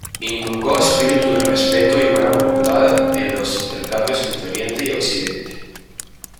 Inculcó espíritu de respeto y buena voluntad en los intercambios entre Oriente y Occidente.